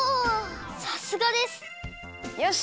さすがです！よし！